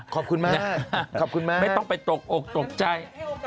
ขอบคุณมากไม่ต้องไปตกอกตกใจ